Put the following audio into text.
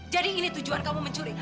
jadi ini tujuan kamu mencuri